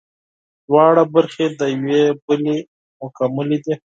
دواړه برخې د یوې بلې مکملې دي